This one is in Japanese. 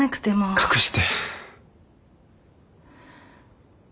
隠して。